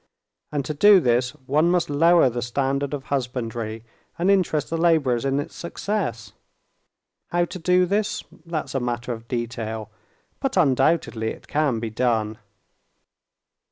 And to do this one must lower the standard of husbandry and interest the laborers in its success. How to do this?—that's a matter of detail; but undoubtedly it can be done."